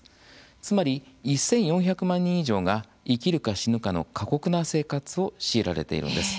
つまり、１４００万人以上が生きるか死ぬかの過酷な生活を強いられているんです。